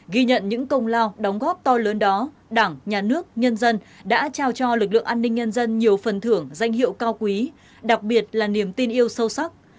ghi nhận những công lao đóng góp to lớn đó đảng nhà nước nhân dân đã trao cho lực lượng an ninh nhân dân nhiều phần thưởng danh hiệu cao quý đặc biệt là niềm tin yêu sâu sắc